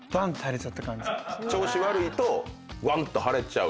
調子悪いとわんと腫れちゃう？